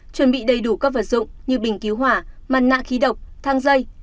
chuẩn bị đầy đủ các vật dụng như bình cứu hỏa mặt nạ khí độc thang dây